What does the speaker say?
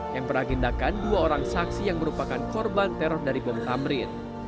yang beragendakan dua orang saksi yang merupakan korban teror dari bom tamrin